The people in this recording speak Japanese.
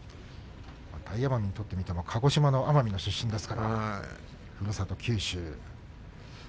大奄美にとっても鹿児島の奄美の出身ですからふるさと九州。